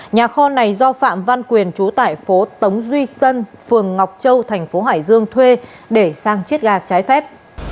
nhà kho này do phạm văn quyền trú tại phố tống duy tân phường ngọc châu thành phố hải dương thuê để sang chiết ga trái phép